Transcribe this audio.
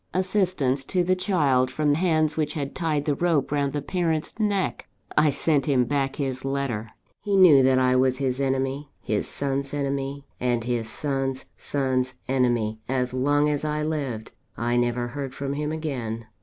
Assistance to the child, from hands which had tied the rope round the parent's neck! I sent him back his letter. He knew that I was his enemy, his son's enemy, and his son's son's enemy, as long as I lived. I never heard from him again.